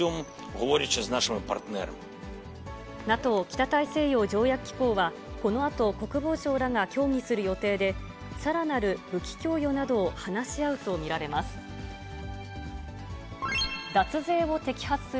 ＮＡＴＯ・北大西洋条約機構はこのあと、国防相らが協議する予定で、さらなる武器供与などを話し合うと見られます。